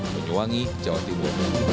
menyuangi jawa timur